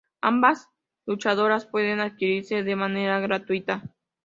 Ambas luchadoras pueden adquirirse de manera gratuita.